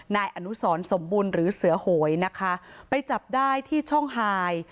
นายอนุสรสมบุญหรือเสือโหยนะคะไปจับได้ที่ช่องไฮ